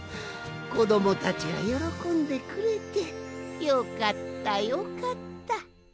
こどもたちがよろこんでくれてよかったよかった。